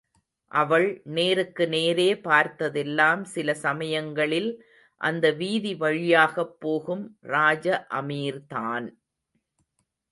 அவள் நேருக்கு நேரே பார்த்ததெல்லாம் சில சமயங்களில் அந்த வீதி வழியாகப் போகும் ராஜ அமீர்தான்!